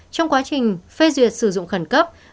trong quá trình phê duyệt sử dụng khẩn cấp